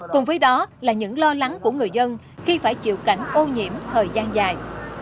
cùng với đó là những lo lắng của người dân khi phải chịu cảnh ô nhiễm thời gian dài